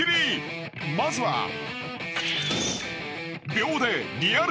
［まずは］